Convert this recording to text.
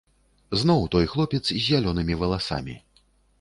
Зноў той хлопец з зялёнымі валасамі!